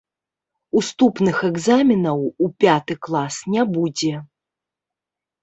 Уступных экзаменаў у пяты клас не будзе.